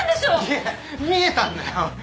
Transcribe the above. いや見えたんだよ。